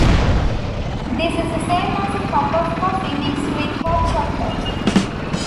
This is the same as a cup of coffee mixed with hot chocolate.